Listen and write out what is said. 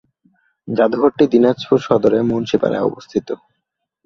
জাদুঘরটি দিনাজপুর সদরের মুন্সিপাড়ায় অবস্থিত।